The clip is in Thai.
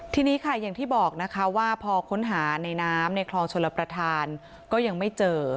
ทีนี้ค่ะอย่างที่บอกนะคะว่าพอค้นหาในน้ำในคลองชลประธานก็ยังไม่เจอ